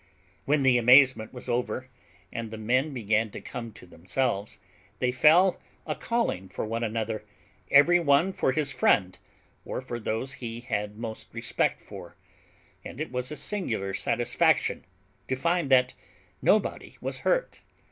When the amazement was over, and the men began to come to themselves, they fell a calling for one another, every one for his friend, or for those he had most respect for; and it was a singular satisfaction to find that nobody was hurt.